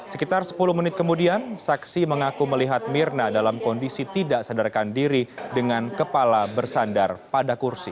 sekitar sepuluh menit kemudian saksi mengaku melihat mirna dalam kondisi tidak sadarkan diri dengan kepala bersandar pada kursi